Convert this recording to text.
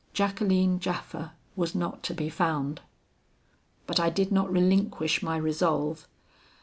Jacqueline Japha was not to be found. "But I did not relinquish my resolve.